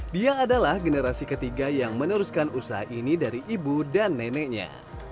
dia adalah generasi ketiga yang meneruskan usaha ini dari ibu dan neneknya